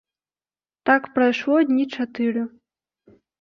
Так прайшло дні чатыры.